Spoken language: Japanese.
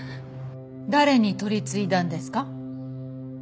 誰に取り次いだんですか？